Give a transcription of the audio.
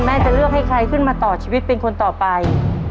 จะเลือกให้ใครขึ้นมาต่อชีวิตเป็นคนต่อไป